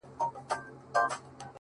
زما د ميني ليونيه. ستا خبر نه راځي.